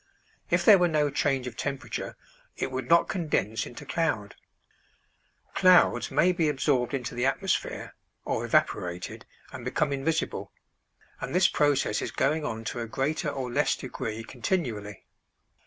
If there were no change of temperature, it would not condense into cloud. Clouds may be absorbed into the atmosphere or evaporated and become invisible; and this process is going on to a greater or less degree continually.